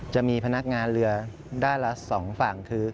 จะมีพนักงานเรือด้านละ๒ฝั่งคือ